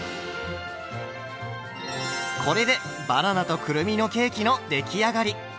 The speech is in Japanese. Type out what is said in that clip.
これでバナナとくるみのケーキの出来上がり。